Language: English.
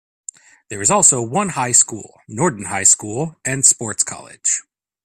There is also one high school: Norden High School and Sports College.